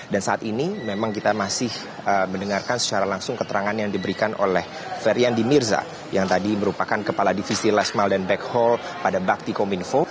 dan saat ini memang kita masih mendengarkan secara langsung keterangan yang diberikan oleh feryandi mirza yang tadi merupakan kepala divisi last mile dan backhaul pada bakti kominfo